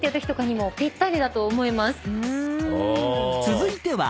［続いては］